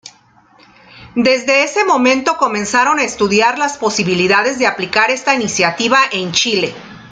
Desde ese momento comenzaron a estudiar la posibilidad de aplicar esta iniciativa en Chile.